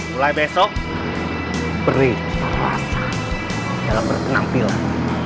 mulai besok beri perasaan dalam berkenampilan